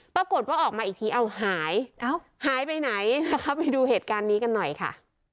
ปรากฏว่าออกมาอีกทีเอาหายหายไปไหนนะคะไปดูเหตุการณ์นี้กันหน่อยค่ะ